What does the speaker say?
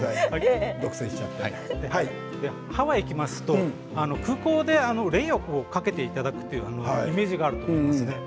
ハワイに行きますと空港でレイをかけていただくというイメージがあると思います。